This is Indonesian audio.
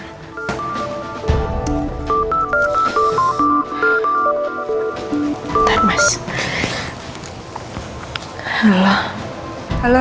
nggak ada di jakarta